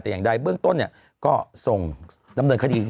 แต่อย่างใดเบื้องต้นเนี่ยก็ส่งดำเนินคดี